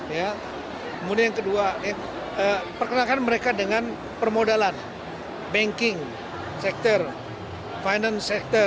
ya kemudian yang kedua perkenalkan mereka dengan permodalan banking sektor finance sektor